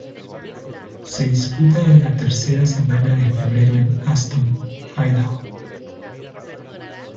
Se disputa en la tercera semana de febrero en Ashton, Idaho.